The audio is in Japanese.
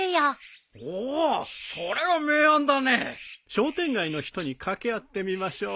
商店街の人に掛け合ってみましょう。